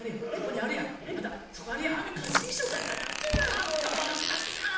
あんた丸くなってなぁ。